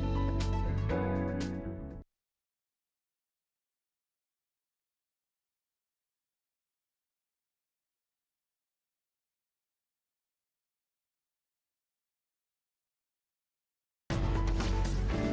ketika saya mendapatkan penipu